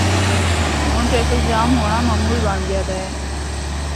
ہور traffic jam ہونڑا معمول بنڑ گیا دا ہے۔